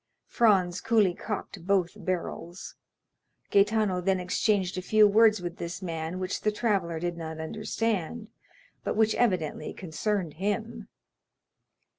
Franz coolly cocked both barrels. Gaetano then exchanged a few words with this man which the traveller did not understand, but which evidently concerned him.